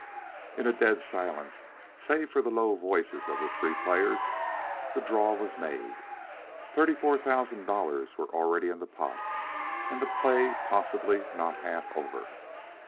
In a dead silence, save for the low voices of the three players, the draw was made. Thirty four thousand dollars were already in the pot, and the play possibly not half over.